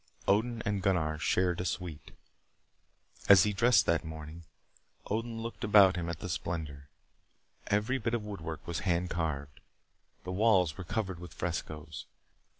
Odin and Gunnar shared a suite. As he dressed that morning, Odin looked about him at the splendor. Every bit of woodwork was hand carved. The walls were covered with frescoes.